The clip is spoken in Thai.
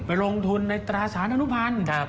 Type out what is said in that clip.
ลงทุนในตราสารอนุพันธ์